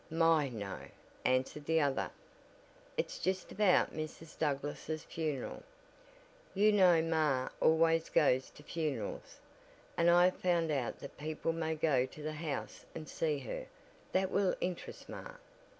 "My, no," answered the other. "It's just about Mrs. Douglass' funeral. You know ma always goes to funerals, and I have found out that people may go to the house and see her. That will interest ma."